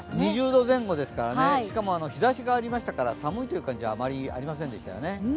２０度前後ですからね、しかも日ざしがありましたから寒いという感じはあまりありませんでしたよね。